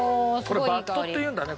これバットっていうんだね